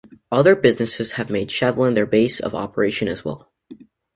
Other businesses have made Shevlin their base of operations as well.